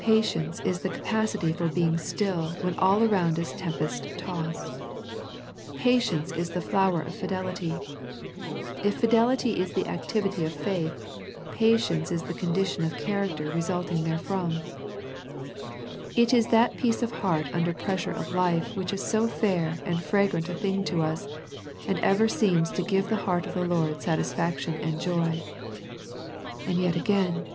Patience is the capacity for being still when all around is tempest tossed. Patience is the flower of fidelity. If fidelity is the activity of faith, patience is the condition of character re sulting therefrom. It is that peace of heart under pressure of life which is so fair and fragrant a thing to us, and ever seems to give the heart of the Lord satisfaction and joy. And yet again.